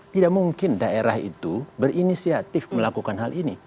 tidak mungkin daerah itu berinisiatif melakukan hal ini